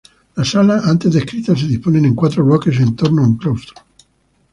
Las salas antes descritas se disponen en cuatro bloques en torno a un claustro.